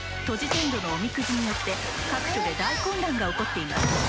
「トジテンドのおみくじによって各所で大混乱が起こっています」